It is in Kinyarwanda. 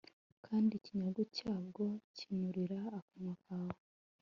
kandi ikinyagu cyabwo kinurira akanwa kawe